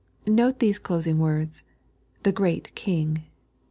Note these closing words — "the great King."